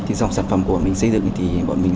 thì trong sản phẩm của bọn mình xây dựng thì bọn mình